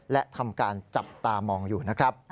และทำการจับตามองอยู่นะครับ